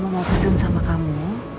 mama mau pesen sama kamu